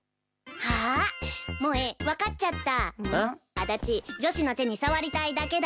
足立女子の手に触りたいだけだろ？